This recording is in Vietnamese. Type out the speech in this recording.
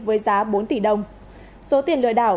với giá bốn tỷ đồng số tiền lừa đảo